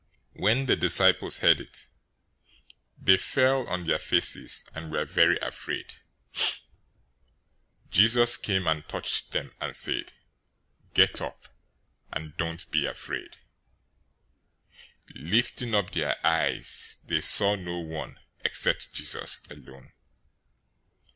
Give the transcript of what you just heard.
017:006 When the disciples heard it, they fell on their faces, and were very afraid. 017:007 Jesus came and touched them and said, "Get up, and don't be afraid." 017:008 Lifting up their eyes, they saw no one, except Jesus alone.